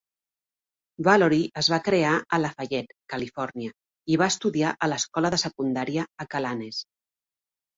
Valory es va criar a Lafayette, Califòrnia, i va estudiar a l'escola de secundària Acalanes.